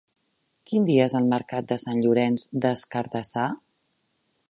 Quin dia és el mercat de Sant Llorenç des Cardassar?